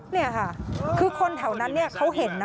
นี่ค่ะคือคนแถวนั้นเขาเห็นนะ